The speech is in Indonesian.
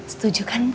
setuju kan ibu